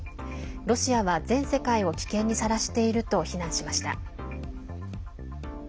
ロシアは全世界を危険にさらしていると非難しました。